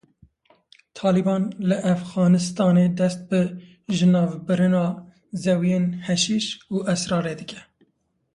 Taliban li Efxanistanê dest bi jinavbirina zeviyên heşîş û esrarê dike.